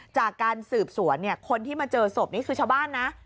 จากการสืบสวนคนที่มาเจอศพนี่คือชาวบ้านนะ